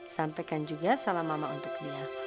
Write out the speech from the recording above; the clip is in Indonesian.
sampaikan juga salam mama untuk dia